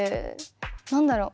何だろう？